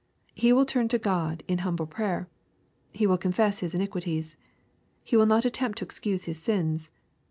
He will turn to God in humble prayer. He will confess his iniquities. He will not attempt to excuse his sins.